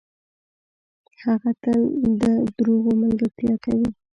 هغه تل ده دروغو ملګرتیا کوي .